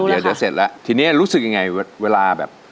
เดี๋ยวเสร็จแล้วทีนี้รู้สึกยังไงเวลาแบบ